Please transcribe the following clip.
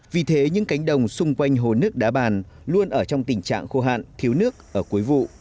vì thế những cánh đồng xung quanh hồ nước đá bàn luôn ở trong tình trạng khô hạn thiếu nước ở cuối vụ